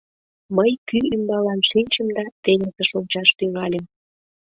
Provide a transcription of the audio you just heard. Мый кӱ ӱмбалан шинчым да теҥызыш ончаш тӱҥальым.